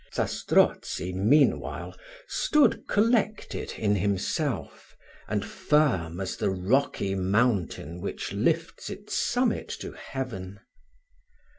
Zastrozzi, meanwhile, stood collected in himself, and firm as the rocky mountain which lifts its summit to heaven.